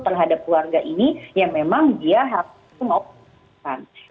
terhadap keluarga ini ya memang dia harus mengoptimalkan